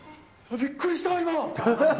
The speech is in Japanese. びっくりした、今。